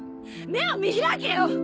目を見開けよ！